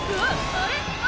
あれ？